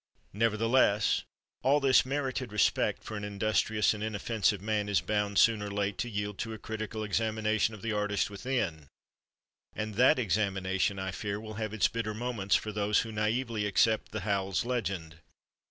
Nevertheless, all this merited respect for an industrious and inoffensive man is bound, soon or late, to yield to a critical examination of the artist within, and that examination, I fear, will have its bitter moments for those who naïvely accept the Howells legend.